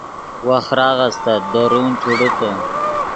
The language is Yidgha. وخراغ استت دورون چوڑیتے